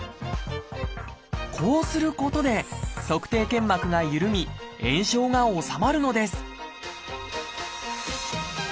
こうすることで足底腱膜がゆるみ炎症が治まるのです